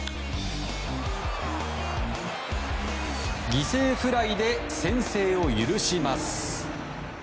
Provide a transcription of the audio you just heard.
犠牲フライで先制を許します。